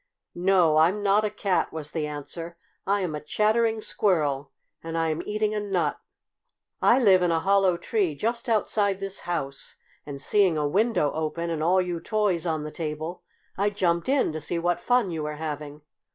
"No, I'm not a cat," was the answer. "I am a Chattering Squirrel, and I am eating a nut. I live in a hollow tree just outside this house, and, seeing a window open and all you toys on the table, I jumped in to see what fun you were having."